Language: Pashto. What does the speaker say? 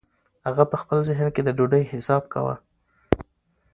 هغه په خپل ذهن کې د ډوډۍ حساب کاوه.